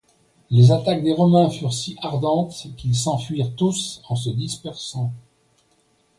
Les attaques des Romains furent si ardentes qu'ils s'enfuirent tous en se dispersant.